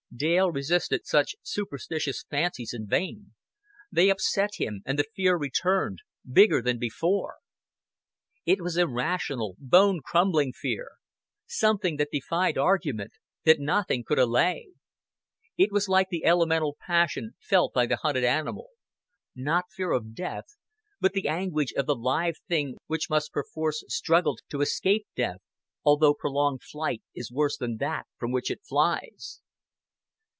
Dale resisted such superstitious fancies in vain. They upset him; and the fear returned, bigger than before. It was irrational, bone crumbling fear something that defied argument, that nothing could allay. It was like the elemental passion felt by the hunted animal not fear of death, but the anguish of the live thing which must perforce struggle to escape death, although prolonged flight is worse than that from which it flies.